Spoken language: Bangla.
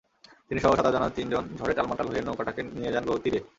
তিনিসহ সাঁতার জানা তিনজন ঝড়ে টালমাটাল সেই নৌকাটাকে নিয়ে যান তীরে।